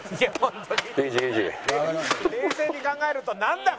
冷静に考えるとなんだ？